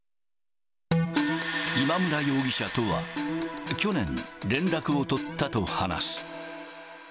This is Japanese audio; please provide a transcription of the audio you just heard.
今村容疑者とは、去年、連絡を取ったと話す。